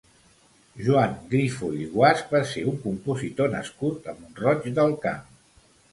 Joan Grifoll i Guasch va ser un compositor nascut a Mont-roig del Camp.